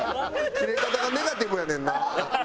キレ方がネガティブやねんな。